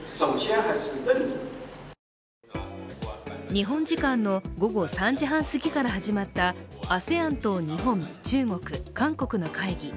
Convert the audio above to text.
日本時間の午後３時半すぎから始まったＡＳＥＡＮと日本、中国、韓国の会議。